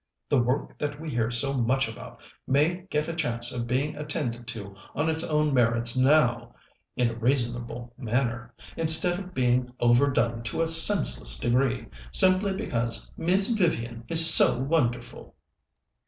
The work that we hear so much about may get a chance of being attended to on its own merits now, in a reasonable manner, instead of being overdone to a senseless degree, simply because 'Miss Vivian is so wonderful!'"